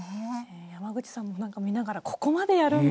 山口さんも見ながら「ここまでやるんだ？」